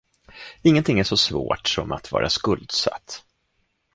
Ingenting är så svårt som att vara skuldsatt.